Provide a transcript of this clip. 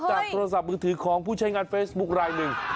โทรศัพท์มือถือของผู้ใช้งานเฟซบุ๊คลายหนึ่ง